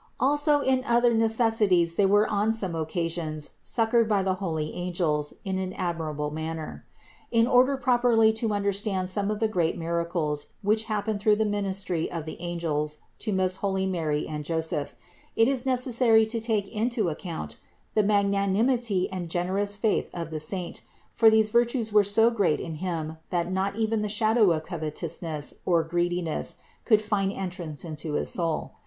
433. Also in other necessities they were on some occa sions succored by the holy angels in an admirable manner. In order properly to understand some of the great mira cles which happened through the ministry of the angels to most holy Mary and Joseph, it is necessary to take into account the magnanimity and generous faith of the saint, for these virtues were so great in him that not even the shadow of covetousness, or greediness, could find en trance into his soul.